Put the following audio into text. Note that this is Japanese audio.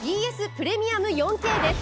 プレミアム４Ｋです。